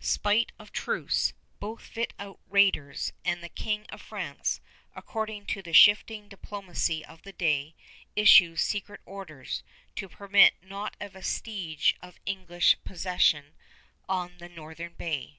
Spite of truce, both fit out raiders, and the King of France, according to the shifting diplomacy of the day, issues secret orders "to permit not a vestige of English possession on the northern bay."